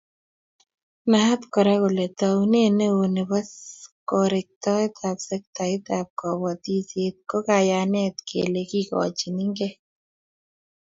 Naat Kora kole taunet neo nebo korekto sektaib kobotisiet ko kayanet kele kigochinikei